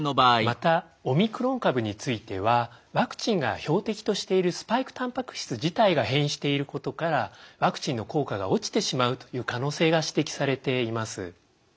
またオミクロン株についてはワクチンが標的としているスパイクタンパク質自体が変異していることからワクチンの効果が落ちてしまうという可能性が指摘されています。